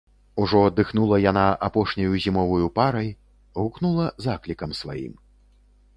Ужо дыхнула яна апошняю зімоваю парай, гукнула заклікам сваім.